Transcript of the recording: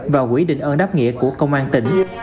và quỹ đền ơn đáp nghĩa của công an tỉnh